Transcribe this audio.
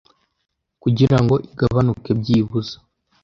kugira ngo igabanuke byibuza